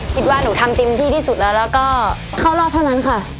คิดว่าหนูทำเต็มที่ที่สุดแล้วแล้วก็เข้ารอบเท่านั้นค่ะ